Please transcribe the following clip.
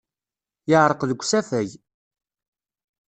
Yeɛreq deg usafag.